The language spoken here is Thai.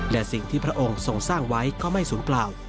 และสิ่งที่พระองค์ทรงสร้างไว้ก็ไม่สูญเปล่า